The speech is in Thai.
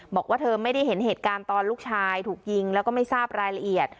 บอกว่าเธอไม่ได้เห็นเหตุการณ์ตอนลูกชายถูกยิงแล้วก็ไม่ทราบรายละเอียด